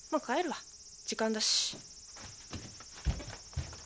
時間だし。